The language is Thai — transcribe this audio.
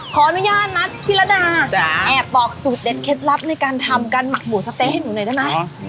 ขออนุญาตนัดพี่ระดาแอบบอกสูตรเด็ดเคล็ดลับในการทำการหมักหมูสะเต๊ะให้หนูหน่อยได้ไหม